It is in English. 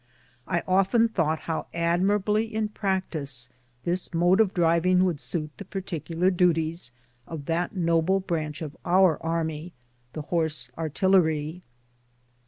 I often thought how admirably in practice this mode of driving would suit the particular duties of that noble branch of our army, the Horse Artilleiy.